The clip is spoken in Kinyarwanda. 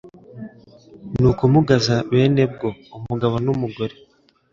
ni ukumugaza bene bwo, umugabo n’umugore